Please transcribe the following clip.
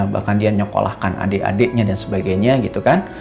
bahkan dia nyokolahkan adik adiknya dan sebagainya gitu kan